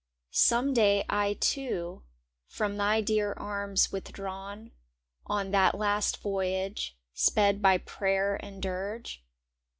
Some day I too, from thy dear arms withdrawn, On that last voyage sped by prayer and dirge.